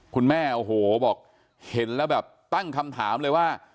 คุณแม่โอ้โหบอกเห็นแล้วแบบตั้งคำถามเลยว่า